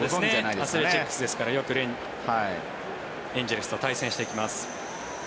アスレチックスですからよくエンゼルスと対戦してます。